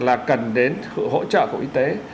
là cần đến hỗ trợ của y tế